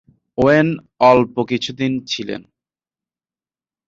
When অল্প কিছু দিন ছিলেন।